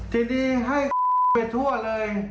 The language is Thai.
ทีนี้ให้ไปทั่วเลย